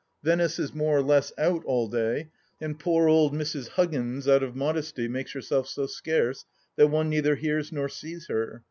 Venice is more or less out all day, and poor old Mrs. Huggins, out of modesty, makes herself so scarce that one neither hears nor sees her.